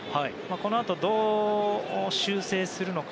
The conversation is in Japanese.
このあと、どう修正するのか。